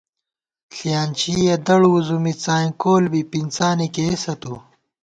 ݪِیانچېئیَہ دڑ وُځُمی څائیں کول بی پِنڅانےکېئیسہ تُو